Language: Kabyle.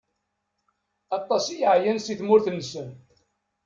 Aṭas i yeɛyan si tmurt-nsen.